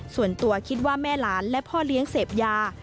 ส่วนตัวคิดว่าแม่หลานและพ่อเลี้ยงเสพยา